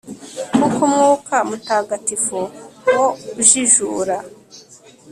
kuko umwuka mutagatifu wo ujijura